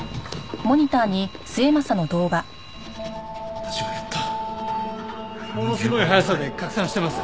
「私がやった」ものすごい速さで拡散してます！